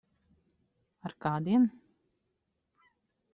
Ar kādiem?